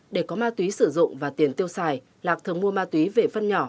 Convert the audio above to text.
để có ma túy sử dụng và tiền tiêu xài lạc thường mua ma túy về phân nhỏ